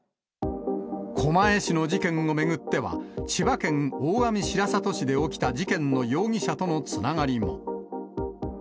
狛江市の事件を巡っては、千葉県大網白里市で起きた事件の容疑者とのつながりも。